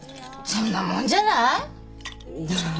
そうなんじゃない。